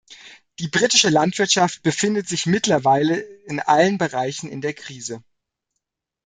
Die britische Landwirtschaft befindet sich mittlerweile in allen Bereichen in der Krise.